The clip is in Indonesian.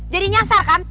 jadi nyasar kan